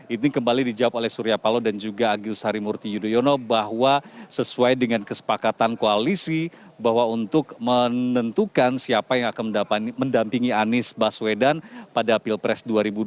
ini kembali dijawab oleh surya paloh dan juga agus harimurti yudhoyono bahwa sesuai dengan kesepakatan koalisi bahwa untuk menentukan siapa yang akan mendampingi anies baswedan pada pilpres dua ribu dua puluh